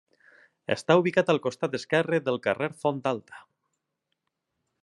Està ubicat al costat esquerre del carrer Font Alta.